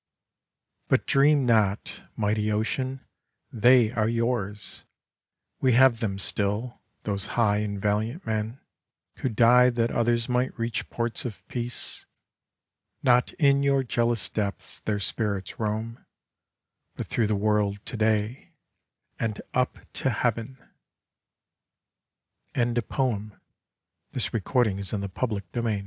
But dream not, mighty Ocean, they are yours 1 We have them still, those high and valiant men Who died that others might reach ports of peace. Not in your jealous depths their spirits roam, But through the world to day, and up to heaven I GLOR